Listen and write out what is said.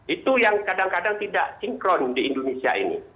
itu yang kadang kadang tidak sinkron di indonesia ini